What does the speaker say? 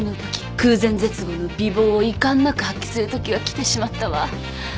空前絶後の美貌をいかんなく発揮するときが来てしまったわ。